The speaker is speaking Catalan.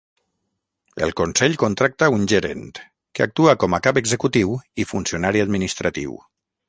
El consell contracta un gerent, que actua com a cap executiu i funcionari administratiu.